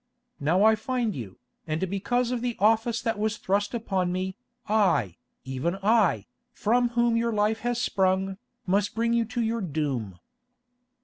Now I find you, and because of the office that was thrust upon me, I, even I, from whom your life has sprung, must bring you to your doom."